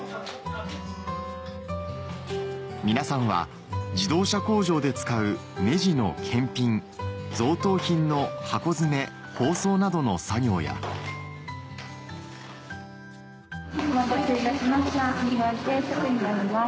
皆さんは自動車工場で使うネジの検品贈答品の箱詰め包装などの作業やお待たせいたしました日替わり定食になります。